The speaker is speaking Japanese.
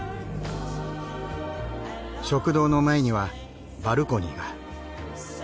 食堂の前にはバルコニーが。